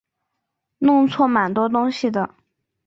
弄错蛮多东西的